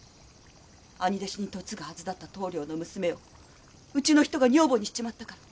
兄弟子に嫁ぐはずだった棟梁の娘をうちの人が女房にしちまったから。